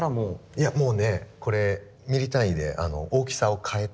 いやもうねこれミリ単位で大きさを変えて。